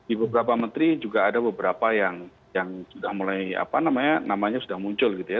di beberapa menteri juga ada beberapa yang sudah mulai apa namanya namanya sudah muncul gitu ya